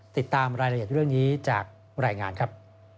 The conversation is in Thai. ติดตามรายละเอียดเรื่องนี้จากรายงานครับ